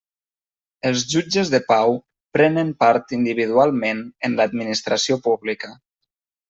Els jutges de pau prenen part individualment en l'administració pública.